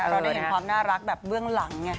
เราได้เห็นความน่ารักแบบเบื้องหลังไง